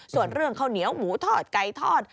ส่วนเรื่องข้าวเหนียวหมูทอดไก่ทอด